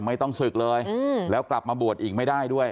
ไม่ต้องศึกเลยแล้วกลับมาบวชอีกไม่ได้ด้วย